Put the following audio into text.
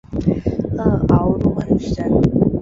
萼凹入很深。